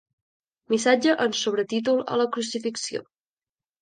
Missatge en sobretítol a la crucifixió.